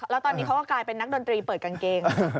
แล้วตอนนี้เขาก็กลายเป็นนักดนตรีเปิดกางเกง